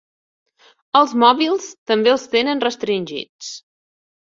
Els mòbils també els tenen restringits.